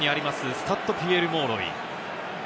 スタッド・ピエール・モーロイ。